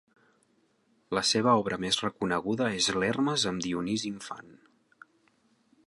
La seva obra més reconeguda és l'Hermes amb Dionís infant.